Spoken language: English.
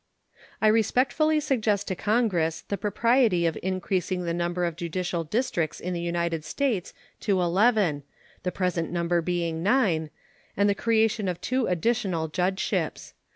I respectfully suggest to Congress the propriety of increasing the number of judicial districts in the United States to eleven (the present number being nine) and the creation of two additional judgeships.